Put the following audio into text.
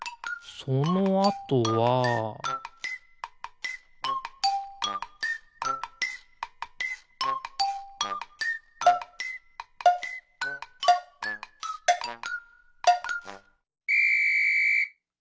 そのあとはピッ！